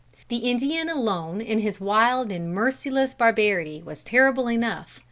The Indian alone in his wild and merciless barbarity, was terrible enough.